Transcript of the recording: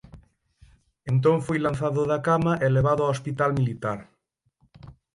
Entón foi lanzado da cama e levado ao Hospital Militar.